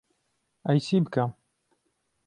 ئەی چی بکەم؟